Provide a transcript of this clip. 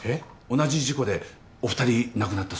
同じ事故でお二人亡くなったそうです。